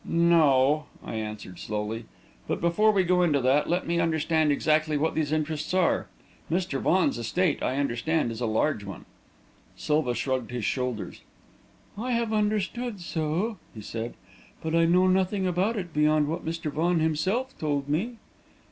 "No," I answered, slowly; "but before we go into that, let me understand exactly what these interests are. Mr. Vaughan's estate I understand, is a large one." Silva shrugged his shoulders. "I have understood so," he said, "but I know nothing about it, beyond what Mr. Vaughan himself told me."